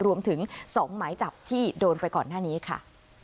รวมถึง๒หมายจับที่โดนไปก่อนหน้านี้ค่ะ